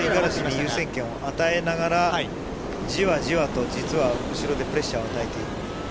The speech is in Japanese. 優先権を与えながらじわじわと実は後ろでプレッシャーを与えている。